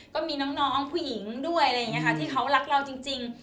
ก็มีน้องผู้หญิงด้วยอะไรอย่างนี้ค่ะที่เขารักเราจริง